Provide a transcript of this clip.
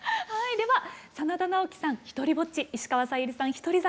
では真田ナオキさん「ひとりぼっち」。石川さゆりさん「獨り酒」。